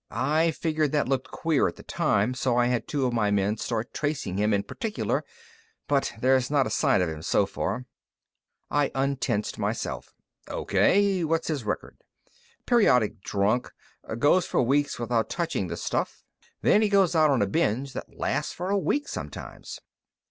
I figured that looked queer at the time, so I had two of my men start tracing him in particular. But there's not a sign of him so far." I untensed myself. "O.K. What's his record?" "Periodic drunk. Goes for weeks without touching the stuff, then he goes out on a binge that lasts for a week sometimes.